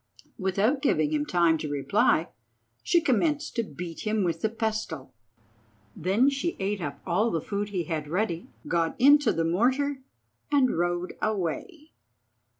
Without giving him time to reply she commenced to beat him with the pestle. Then she ate up all the food he had ready, got into the mortar, and rode away.